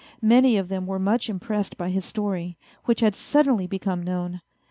Many of them were much impressed by his story, which had suddenly become known.